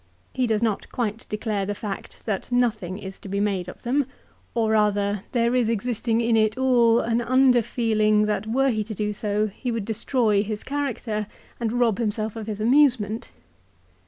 He does not quite declare the fact that nothing is to be made of them ; or rather there is existing in it all an under feeling that were he to do so, he would destroy his character, and rob himself of his amusement.